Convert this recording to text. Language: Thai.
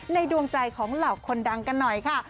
ดวงใจของเหล่าคนดังกันหน่อยค่ะ